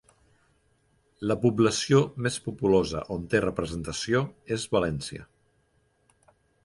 La població més populosa on té representació és València.